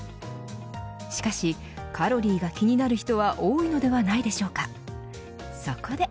しかし、カロリーが気になる人は多いのではないでしょうか。